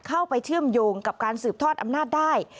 เชื่อมโยงกับการสืบทอดอำนาจได้